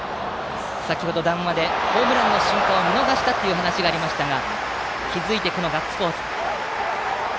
先程、談話でホームランの瞬間を見逃したという話がありましたが気付いて、このガッツポーズ。